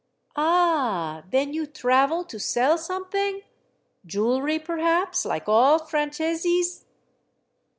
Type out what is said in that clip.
"Ah, then you travel to sell something; jewelry perhaps, like all f ranceses